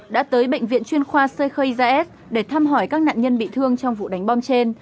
đã tới bệnh viện chuyên khoa seychelles để thăm hỏi các nạn nhân bị thương trong vụ đánh bom trên